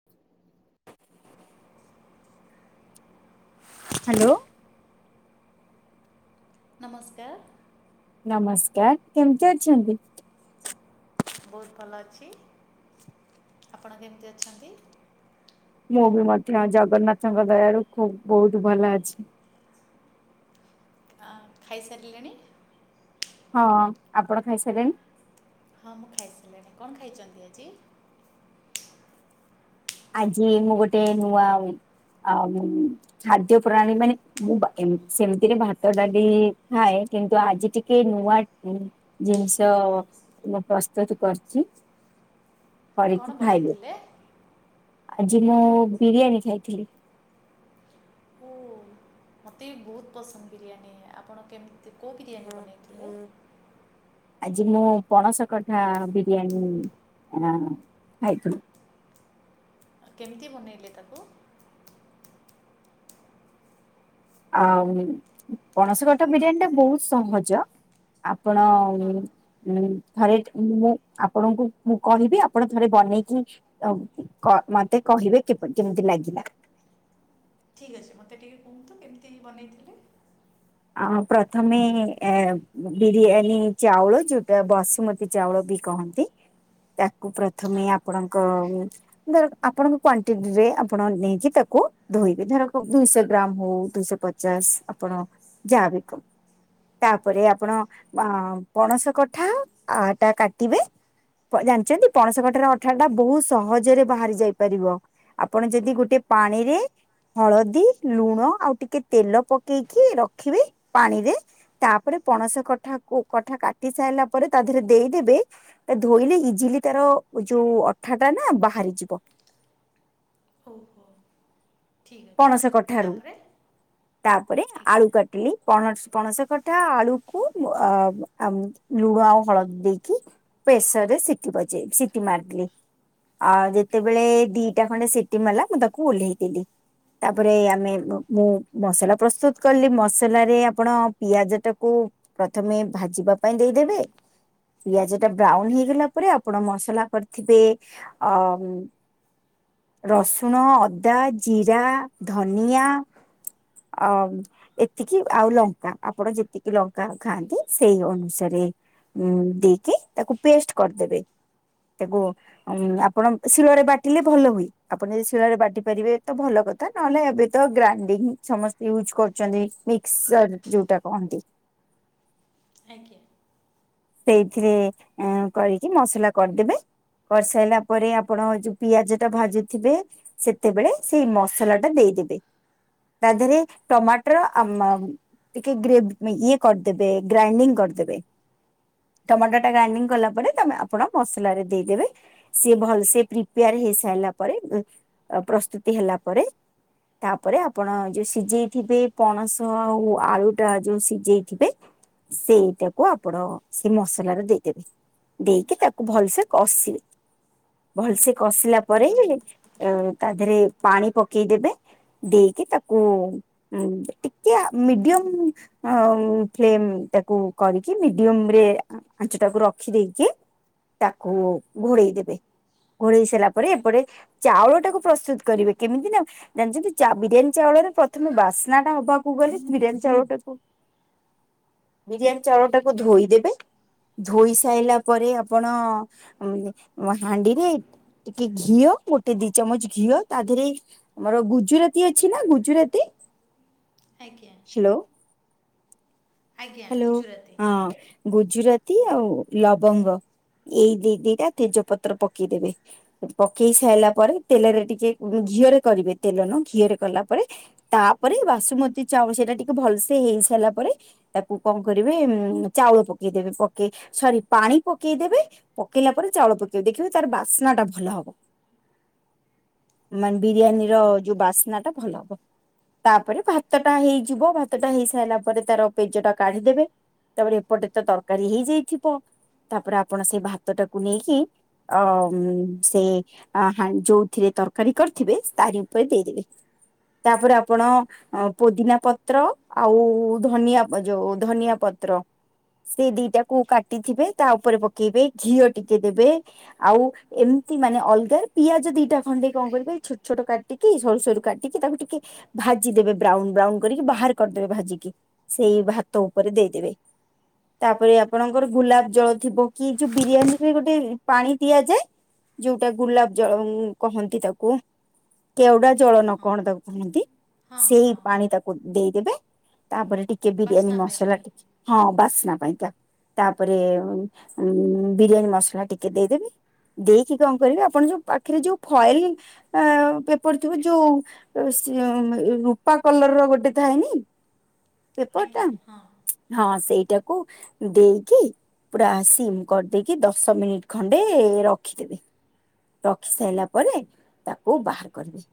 ଉଁହୁଁ ହ୍ୟାଲୋ। ନମସ୍କାର୍। ନମସ୍କାର୍। କେମତି ଅଛନ୍ତି? ବହୁତ୍ ଭଲ ଅଛି। ଆପଣ କେମିତି ଅଛନ୍ତି? ମୁଁ ବି ମଧ୍ୟ ଜଗନ୍ନାଥଙ୍କ ଦୟାରୁ ଖୁବ ବହୁତ୍ ଭଲ ଅଛି। ହଁ, ଖାଇସାରିଲେଣି? ହଁ ଆପଣ ଖାଇସାରିଲେଣି? ହଁ, ମୁଁ ଖାଇସାରିଲିଣି କଣ ଖାଇଛନ୍ତି ଆଜି? ଆଜି ମୁଁ ଗୋଟେ ନୂଆ ଆଉ ଖାଦ୍ୟ ପ୍ରଣାଳୀ ମାନେ ମୁଁ ଏମ୍ ସେମିତିରେ ଭାତ ଡାଲି ଖାଏ କିନ୍ତୁ ଆଜି ଟିକେ ନୂଆ ଜିନିଷ ମୁଁ ପ୍ରସ୍ତୁତ କରିଛି। କରିକି କଣ ଖାଇବେ। ବନେଇଥିଲେ? ଆଜି ମୁଁ ବିରିୟାନୀ ଖାଇଥିଲି। ହୁଁ। ମତେ ବି ବହୁତ ପସନ୍ଦ ବିରିୟାନୀ। ଆପଣ କେମିତି କୋଉ ବିରିୟାନୀ ବନେଇଥିଲେ? ଆଜି ମୁଁ ପଣସ କଠା ବିରିୟାନୀ ଖାଇଥିଲି। କେମିତି ବନେଇଲେ ତାକୁ? ଆଉ ପଣସ କଠା ବିରିୟାନୀ ଟା ବହୁତ ସହଜ। ଆପଣ ହଁ ଉଁ ଥରେ ମୁଁ ଆପଣଙ୍କୁ ମୁଁ କହିବି ଆପଣ ଥରେ ବନେଇକି ହ କ ମତେ କହିବେ କିପ୍ କେମିତି ଲାଗିଲା? ଠିକ୍ ଅଛି ମୋତେ ଟିକେ କୁହନ୍ତୁ କେମିତି ବନେଇଥିଲେ? ଆ ପ୍ରଥମେ ଏ ବିରିୟାନୀ ଚାଉଳ ଯୋଉଟା ବସୁମତୀ ଚାଉଳ ବି କହନ୍ତି ତାକୁ ପ୍ରଥମେ ହଁ ଆପଣଙ୍କ ଧର ଆପଣଙ୍କ କ୍ୱାଣ୍ଟିଟିରେ ଆପଣ ନେଇକି ତାକୁ ଧୋଇବେ ଧରକ ଦୁଇଶହ ଗ୍ରାମ ହଉ ଦୁଇଶହ ପଚ ଚାଶ୍ ଆପଣ ଜାହାବି କ୍ ତାପରେ ଆପଣ ଆ ପଣସ କଠାଟା କାଟିବେ। ପ ଜାଣିଛନ୍ତି ପଣସ କଠାର ଅଠାଟା ବହୁତ ସହଜରେ ବାହାରି ଯାଇ ପାରିବ। ଆପଣ ଯଦି ଗୋଟେ ପାଣିରେ ହଳଦୀ ଲୁଣ ଆଉ ଟିକେ ତେଲ ପକେଇକି ରଖିବେ ପାଣିରେ। ତାପରେ ପଣସ କଠାକୁ କଠା କାଟି ସାରିଲା ପରେ ତା ଦେହରେ ଦେଇଦେବେ। ଧୋଇଲେ ଇଜିଲି ତାର ଯୋଉ ଅଠା ଟା ନା ବାହାରି ଯିବ। ହଉ ହଉ। ଠିକ୍ ଅଛି ପଣସ କଠାରୁ ତାପରେ ତାପରେ ଆଳୁ ଆଜ୍ଞା କାଟି କି ପଣ ପଣସ କଠା ଆଳୁକୁ ଆ ଆମ୍ ଲୁଣ ଆଉ ହଳଦୀ ଦେଇକି ପ୍ରେସର ରେ ସିଟି ବଜେଇ ସିଟି ମାରିିଲି। ଆଉ ଯେତେବେଳେ ଦିଟା ଖଣ୍ଡେ ସିଟି ମାରିଲା ମୁଁ ତାକୁ ଓହ୍ଲେଇଦେଲି। ତାପରେ ଆମେ ମୁଁ ମସଲା ପ୍ରସ୍ତୁତ କଲି ମସଲାରେ ଆପଣ ପିଆଜ ଟାକୁ ପ୍ରଥମେ ଭାଜିବା ପାଇଁ ଦେଇଦେବେ। ପିଆଜ ଟା ବ୍ରାଉନ ହେଇଗଲା ପରେ ଆପଣ ମସଲା କରିଥିବେ ଅ ରସୁଣ ଅଦା ଜିରା ଧନିଆ। ଆ ଏତିକି ଆଉ ଲଙ୍କା, ଆପଣ ଯେତିକି ଲଙ୍କା ଖାଆନ୍ତି ସେଇ ଅନୁସାରେ ଉଁ ଦେଇକି ତାକୁ ପେଷ୍ଟ କରିଦେବେ। ତାକୁ ଆପଣ ଶିଳ ରେ ବାଟିଲେ ଭଲ ହୁଏ। ଆପଣ ଯଦି ଶିଳ ରେ ବାଟି ପାରିବେ ତ ଭଲ କଥା ନହେଲେ ଏବେ ତ ଗ୍ରାଇଣ୍ଡିଙ୍ଗ ସମସ୍ତେ ୟୁଜ୍ କରୁଛନ୍ତି। ମିକ୍ସର ଯୋଉଟା କହନ୍ତି। ଆଜ୍ଞା। ସେଇଥିରେ କରିକି ମସଲା କରିଦେବେ। କରିସାରଲା ପରେ ଆପଣ ଯୋଉ ପିଆଜ ଟା ଭାଜୁଥିବେ ସେତେବେଳେ ସେଇ ମସଲା ଟା ଦେଇଦେବେ। ତା ଦେହରେ ଟମାଟର ଆମ୍ ଆମ ଟିକେ ଗ୍ରେ ଇଏ କରିଦେବେ ଗ୍ରାଇଣ୍ଡିଙ୍ଗ କରିଦେବେ। ଟମାଟୋ ଟା ଗ୍ରାଇଣ୍ଡିଙ୍ଗ କଲା ପରେ ତମେ ଆପଣ ମସଲାରେ ଦେଇଦେବେ। ସିଏ ଭଲ ସେ ପ୍ରିପେୟାର ହେଇ ସାରିଲା ପରେ ପ୍ରସ୍ତୁତି ହେଲା ପରେ ତାପରେ ଆପଣ ଯୋଉ ସିଝେଇଥିବେ ପଣସ ଆଉ ଆଳୁ ଟା ଯୋଉ ସିଝେଇଥିବେ ସେଇଟାକୁ ଆପଣ ସେ ମସଲାରେ ଦେଇଦେବେ, ଦେଇକି ତାକୁ ଭଲସେ କଷିବେ। ଭଲସେ କଷିଲା ପରେ ତା ଦେହରେ ପାଣି ପକେଇଦେବେ। ଦେଇକି ତାକୁ ହଁ ଟିକେ ମିଡିୟମ ଫ୍ଲେମ୍ ଟାକୁ କରିକି ମିଡିୟମ ଆଞ୍ଚ ଟାକୁ ରଖି ଦେଇକି ତାକୁ ଘୋଡେଇ ଦେବେ। ଘୋଳେଇ ସାରିଲା ପରେ ଏପଟେ ଚାଉଳ ଟାକୁ ପ୍ରସ୍ତୁତ କରିବେ କେମିତି ନା ଜାଣିିଛନ୍ତି ଚା ବିରିୟାନୀ ଚାଉଳରେ ପ୍ରଥମେ ବାସ୍ନା ଟା ହବାକୁ ଗଲେ, ବିରିୟାନୀ ଚାଉଳ ଟାକୁ ବିରିଆନି ଚାଉଳଟାକୁ ଧୋଇ ଦେବେ ଧୋଇ ସାଇଲା ପରେ ଆପଣ ହାଣ୍ଡିରେ ଟିକେ ଘିଅ ଗୋଟେ ଦି ଚାମଚ ଘିଅ ତା ଦେହରେ ଆମର ଗୁଜୁରାତି ଅଛି ନା ଗୁଜୁରାତି ଆଜ୍ଞା ହ୍ୟାଲୋ ଆଜ୍ଞା ହ୍ୟାଲୋ। ଗୁଜୁରାତି ହଁ, ଗୁଜୁରାତି ଆଉ ଲବଙ୍ଗ। ଏଇ ଦି ଦିଟା ତେଜ ପତ୍ର ପକେଇଦେବେ। ପକେଇ ସାଇଲା ପରେ ତେଲରେ ଟିକେ ଘିଅରେ କରିବେ। ତେଲ ନୁହ ଘିଅରେ କଲା ପରେ ତାପରେ ବାସୁମତୀ ଚାଉଳ, ସେଇଟା ଟିକେ ଭଲସେ ହେଇ ସାରିଲା ପରେ ତାକୁ କଣ କରିବେ ଚାଉଳ ପକେଇଦବେ ପକେଇ ସରି ପାଣି ପକେଇଦବେ ପକେଇଲା ପରେ ଚାଉଳ ପକେଇବ ଦେଖିବେ ତାର ବାସ୍ନା ଟା ଭଲ ହବ। ମାନେ ବିରିୟାନୀର ଆଜ୍ଞା ଯୋଉ ବାସ୍ନାଟା ଭଲ ହବ। ତାପରେ ଭାତ ଟା ହେଇଯିବ ଭାତ ଟା ହେଇ ସାରିଲା ପରେ ତାର ପେଜଟା କାଢିଦେବେ ତାପରେ ଏପଟେ ତ ତରକାରୀ ହେଇଯାଇଥିବ। ତାପରେ ଆପଣ ସେଇ ଭାତ ଟାକୁ ନେଇକି ଅ ସେ ଆ ହା ଯୋଉଥିରେ ତରକାରୀ କରିଥିବେ ତାରି ଉପରେ ଦେଇଦେବେ। ତାପରେ ଆପଣ ପୋଦିନା ପତ୍ର ଆଉ ଧନିଆ ଯୋଉ ଧନିଆ ପତ୍ର ସେ ଦିଟାକୁ କାଟିଥିବେ ତା ଉପରେ ପକେଇବେ ଘିଅ ଟିକେ ଦେବେ ଆଉ ଏମିତି ମାନେ ଅଲଗା ପିଆଜ ଦିଟା ଖଣ୍ଡେଇ କଣ କରିବେ, ଛୋଟ ଛୋଟ କାଟିକି ସରୁ ସରୁ କାଟିକି ତାକୁ ଟିକେ ଭାଜି ଦେବେ ବ୍ରାଉନ ବ୍ରାଉନ କରିକି ବାହାର କରିଦେବେ ଭାଜିିକି ସେଇ ଭାତ ଉପରେ ଦେଇଦେବେ। ତାପରେ ଆପଣଙ୍କର ଗୋଲାପ ଜଳ ଥିବ କି ଯୋଉ ବିରିୟାନୀ ରେ ଗୋଟେ ପାଣି ଦିଆଯାଏ। ଯୋଉଟା ଗୁଲାପ ଜଳ କହନ୍ତି ତାକୁ କେଉଡା ଜଳ ହଁ ନ ହଁ କଣ ତାକୁ କୁହନ୍ତି ହଁ ସେଇ ହଁ ପାଣି ହଁ ତାକୁ ଦେଇଦେବେ ତାପରେ ଟିକେ କେ ବିରିୟାନୀ ବାସ୍ନା ମସଲା ପାଇଁକି ଟିକେ ହଁ ବାସ୍ନା ପାଇଁ ତା ତାପରେ ଉ ବିରିୟାନୀ ମସଲା ଟିକେ ଦେଇଦେବି। ଦେଇକି କଣ କରିବେ ଆପଣ ଯୋଉ ପାଖରେ ଯୋଉ ଫଏଲ ଆ ପେପର ଥିବ ଯୋଉ ରୂପା କଲର ର ଗୋଟେ ଥାଏନି? ପେପର୍ ଟା, ଆଜ୍ଞା ହଁ ହଁ ସେଇଟାକୁ ଦେଇକି ପୁରା ସିମ୍ କରିଦେଇକି ଦଶ ମିନିଟ ଖଣ୍ଡେ ରଖିଦେବେ। ରଖି ସାରିଲା ପରେ ତାକୁ ବାହାର କରିବେ।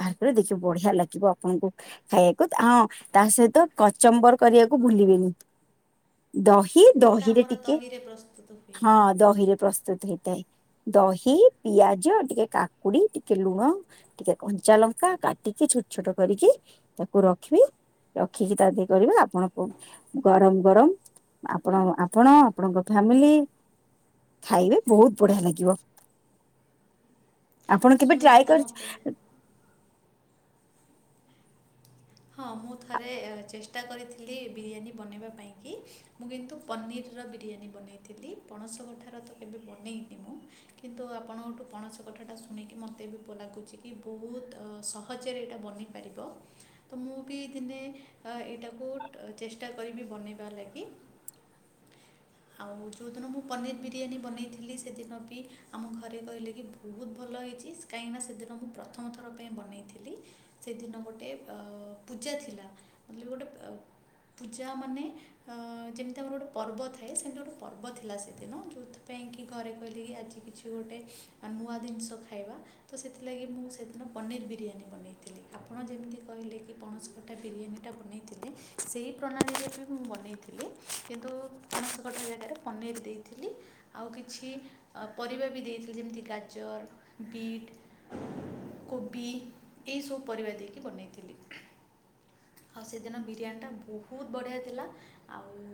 ବାହାର କରି ଦେଖିବ ବଢିଆ ଲାଗିବ ଆପଣଙ୍କୁ ଖାଇବାକୁ। ହଁ, ତା ସହିତ କଚମ୍ବର କରିବାକୁ ଭୁଲିବେନି। ଦହି ଯେଉଁଟା ଦହିରେ ଆମର ଟିକେ, ଦହିରେ ପ୍ରସ୍ତୁତ ହୁଏ ହଁ ଦହିରେ ପ୍ରସ୍ତୁତ ହେଇଥାଏ। ଦହି, ପିଆଜ, ଟିକେ କାକୁଡି, ଟିକେ ଲୁଣ ଟିକେ କଞ୍ଚା ଲଙ୍କା କାଟିକି ଛୋଟ ଛୋଟ କରିକି ତାକୁ ରଖିବି। ଆଖି ତା ଦେଇ କରିବେ ଆପଣଙ୍କୁ ଗରମ ଗରମ ଆପଣ ଆପଣ ଆପଣଙ୍କ ଫ୍ୟାମିଲି ଖାଇବେ ବହୁତ ବଢିଆ ଲାଗିବ। ଆପଣ କେବେ ଶୁଣିକି ଟ୍ରାଏ ତ କରି ମୋତେ ହଁ, ମୁଁ ଥରେ ଚେଷ୍ଟା କରିଥିଲି ବିରିୟାନୀ ବନେଇବା ପାଇଁକି। ମୁଁ କିନ୍ତୁ ପନିରର ବିରିୟାନୀ ବନେଇଥିଲି। ପଣସ କଠାର ତ କେବେ ବନେଇନି ମୁଁ କିନ୍ତୁ ଆପଣଙ୍କଠୁ ପଣସ କଥାଟା ଶୁଣିକି ମୋତେ ବି ଲାଗୁଛି କି ବହୁତ ସହଜରେ ଏଇଟା ବନେଇ ପାରିବ। ତ ମୁଁ ବି ଦିନେ ଏଇଟାକୁ ଟା ଚେଷ୍ଟା କରିବି ବନାଇବା ଲାଗି। [inaudible] ଆଉ ଯୋଉଦିନ ମୁଁ ପନିର୍ ବିରିୟାନୀ ବନେଇଥିଲି ସେଦିନ ବି ଆମ ଘରେ କହିଲେ କି ବହୁତ ଭଲ ହେଇଛି କାହିଁକିନା ସେଦିନ ମୁଁ ପ୍ରଥମଥର ପାଇଁ ବନେଇଥିଲି। ସେଦିନ ଗୋଟେ ତ ପୂଜା ଥିଲା। କହିଲି ଗୋଟେ ପୂଜା ମାନେ ଆଁ ଯେମିତି ଆମର ଗୋଟେ ପର୍ବ ଥାଏ ସେମିତି ଗୋଟେ ପର୍ବ ଥିଲା ସେଦିନ। ଯୋଉ ଯାଉଥି ପାଇଁକି ଘରେ କହିଲେ କି ଆଜି କିଛି ଗୋଟେ ନୂଆ ଜିନିଷ ଖାଇବା। ତ ସେଥିଲାଗି ମୁଁ ସେଦିନ ପନିର୍ ବିରିୟାନୀ ବନେଇଥିଲି। ଆପଣ ଯେମିତି କହିଲେ କି ପଣସକଠା ବିରିୟାନୀଟା ବନେଇଥିଲେ। ସେହି ପ୍ରଣାଳୀରେ ବି ମୁଁ ବନେଇଥିଲି, କିନ୍ତୁ ପଣସ କଠା ଜାଗାରେ ପନିର୍ ଦେଇଥିଲି। ଆଉ କିଛି ପରିବା ବି ଦେଇଥିଲି ଯେମିତି ଗାଜର, ବିଟ୍ କୋବି ଏଇସବୁ ପରିବା ଦେଇକି ବନେଇଥିଲି। [inaudible] ଆଉ ସେଦିନ ବିରିୟାନୀଟା ବହୁତ ବଢିଆ ଥିଲା। ଆଉ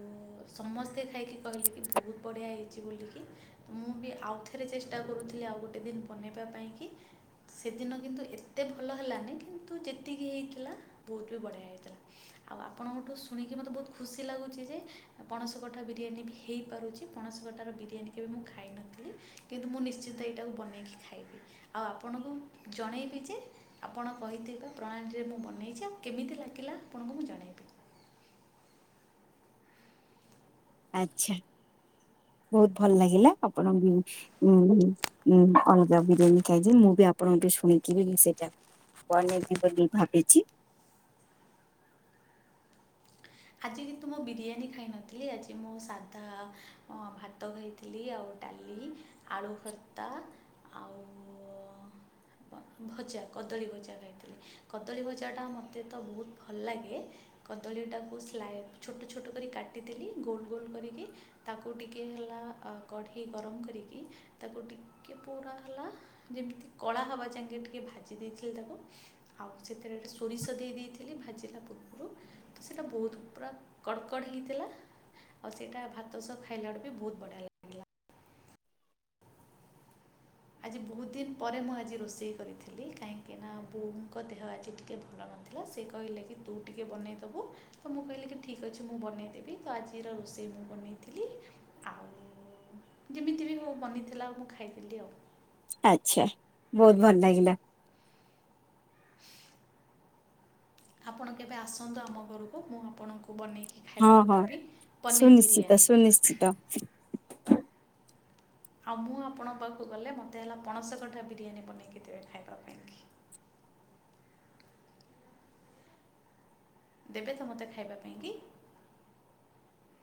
ସମସ୍ତେ ଖାଇକି କହିଲେ କି ବହୁତ୍ ବଢିଆ ହେଇଛି ବୋଲିକି। ମୁଁ ବି ଆଉଥରେ ଚେଷ୍ଟା କରୁଥିଲି, ଆଉ ଗୋଟେ ଦିନ ବନେଇବା ପାଇଁ କି ସେଦିନ କିନ୍ତୁ ଏତେ ଭଲ ହେଲାନି, କିନ୍ତୁ ଯେତିକି ହେଇଥିଲା ବହୁତ୍ ବି ବଢ଼ିଆ ହେଇଥିଲା। ଆଉ ଆପଣଙ୍କଠୁ ଶୁଣିକି ମୋତେ ବହୁତ୍ ଖୁସି ଲାଗୁଛି ଯେ, ପଣସ କଠା ବିରିୟାନୀ ବି ହେଇପାରୁଛି ପଣସ କଠାର ବିରିୟାନୀ କେବେ ମୁଁ ଖାଇନଥିଲି, କିନ୍ତୁ ମୁଁ ନିଶ୍ଚିତ ଏଇଟାକୁ ବନେଇକି ଖାଇବି। ଆଉ ଆପଣଙ୍କୁ ଜଣେଇବି ଯେ ଆପଣ କହିଥିବା ପ୍ରଣାଳୀରେ ମୁଁ ବନେଇଛି, ଆଉ କେମିତି ଲାଗିଲା ଆପଣଙ୍କୁ ମୁଁ ଜଣାଇବି। ଆଛା। ବହୁତ୍ ଭଲ୍ ଲାଗିଲା ଆପଣ ଙ୍କୁ ବି ମୁ ବି ମୁ ଅଲଗା ବିରିୟାନୀ ଖାଇଛି ମୁଁ ବି ଆପଣଙ୍କଠୁ ଶୁଣିକିବି କି ସେଇଟା ବନେଇବି ବୋଲି ଭାବିଛି। ଆଜି କିନ୍ତୁ ମୁଁ ବିରିୟାନୀ ଖାଇନଥିଲି ଆଜି ମୁଁ ସାଧା ଓଁ ଭାତ ଖାଇଥି ଲି ଆଉ ଡାଲି, ଆଳୁ ଭର୍ତ୍ତା ଆଉ ଆପଣ ଭଜା କଦଳୀ ଭଜା ଖାଇଥିଲି କଦଳୀ ଭଜାଟା ମତେ ତ ବହୁତ୍ ଭଲ ଲାଗେ କଦଳୀ ଟାକୁ ସ୍ଲାାଏ ଛୋଟ ଛୋଟ କରି କାଟିଥିଲି ଗୋଲ୍ ଗୋଲ୍ କରିକି ତାକୁ ଟିକେ ହେଲା ଅ ଗଢି ଗରମ କରିକି ତାକୁ ଟିକେ ପଡ଼ା ହେଲା ଯେମିତି କଳା ହବା ଜାକେ ଟିକେ ଭାଜି ଦେଇଥିଲି ତାକୁ ଆଉ ସେଥିରେ ସୋରିଷ ଦେଇ ଦେଇଥିଲି ଭାଜିଲା ପୂର୍ବରୁ ତ ସେଇଟା ବହୁତ୍ ପୁରା କଡ଼କଡ଼ ହେଇଥିଲା ଆଉ ସେଇଟା ଭାତ ସହ ଖାଇଲାବେଳେ ବି ବହୁତ ବଢ଼ିଆ ଲା ଆଜି ବହୁତ ଦିନ୍ ପରେ ମୁଁ ଆଜି ରୋଷେଇ କରିଥିଲି କାହିଁକିନା ବୋହୁ ଙ୍କ ଦେହ ଆଜି ଟିକେ ଭଲ ନଥି ଲେ ସେ କହିଲେ କି ତୁ ଟିକେ ବନେଇଦବୁ ତ ମୁଁ କହିଲି କି ଠିକ୍ ଅଛି ମୁଁ ବନେଇଦେବି ତ ଆଜିର ରୋଷେଇ ମୁଁ ବନେଇଥିଲି ଆଉ ଯେମିତି ବି ହଉ ବନିଥିଲା ଆଉ ମୁଁ ଖାଇଥିଲି ଆଉ ଆଛା ବହୁତ୍ ଭଲ୍ ଲାଗିଲା ଆପଣ କେବେ ଆସନ୍ତୁ ଆମ ଘରକୁ ମୁଁ ଆପଣଙ୍କୁ ବନେଇକି ଖାଏବାକୁ ଦେବି ପନିର୍ ବିରିୟାନୀ। ନିଶ୍ଚିତ ସେଇଟି ଆଉ ମୁଁ ଆପଣଙ୍କ ପାକୁ ଗଲେ ମୋତେ ହେଲା ପଣସ କଠା ବିରିୟାନୀ ବନେଇକି ଦେବେ ଖାଇବା ପାଇଁକି ଦେବେ ତ ମୋତେ ଖାଇବା ପାଇଁକି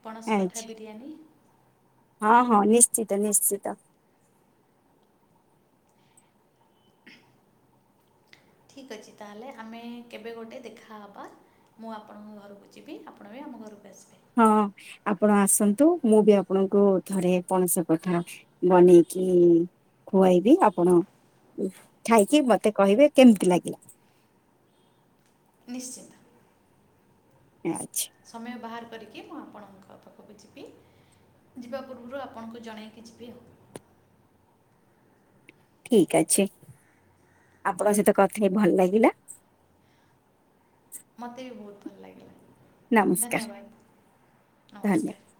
ପଣସ୍ କଠା ଆଚ୍ଛା ବିରିୟାନୀ ହଁ ହଁ ନିଶ୍ଚିତ ନିଶ୍ଚିତ ଉଁହ ଠିକ୍ ଅଛି ତାଲେ ଆମେ କେବେ ଗୋଟେ ଦେଖାହବା ମୁଁ ଆପଣଙ୍ଗ ଘରକୁ ଯିବି ଆପଣ ବି ଆମ ଘରକୁ ଆସିବେ ହଁ ଆପଣ ଆସନ୍ତୁ ମୁଁ ବି ଆପଣଙ୍କୁ ଥରେ ପଣସ କଠା ବନେଇକି ଖୁଆଇବି ଆପଣ ଉଁ ଖାଇକି ମତେ କହିବେ କେମିତି ଲାଗିଲା ନିଶ୍ଚିନ୍ତ ହଁ ଅଛି। ସମୟ ବାହାର୍ କରିକି ମୁଁ ଆପଣଙ୍କ ପାଖକୁ ଯିବି ଯିବା ପୂର୍ବରୁ ଆପଣଙ୍କୁ ଜଣେଇକି ଯିବି ଆଉ ଠିକ୍ ଅଛି ଆପଣଙ୍ଗ ସହିତ କଥା ହେଇ ଭଲ୍ ଲାଗିଲା ମୋତେ ବି ବହୁତ୍ ଭଲ୍ ଲାଗିଲା ନମସ୍କାର ଧନ୍ୟବାଦ ଧନ୍ୟବାଦ। ନମସ୍କାର